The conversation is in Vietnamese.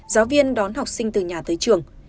giáo viên đón học sinh từ nhà tới trường